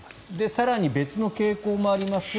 更に別の傾向もあります。